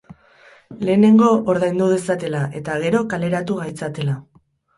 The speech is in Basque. Lehenengo ordaindu dezatela eta gero kaleratu gaitzatela.